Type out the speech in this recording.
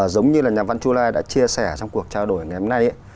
giống như nhà văn chua lai đã chia sẻ trong cuộc trao đổi ngày hôm nay